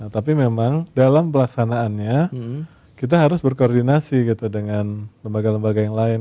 tapi memang dalam pelaksanaannya kita harus berkoordinasi gitu dengan lembaga lembaga yang lain